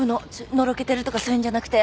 のろけてるとかそういうのじゃなくて。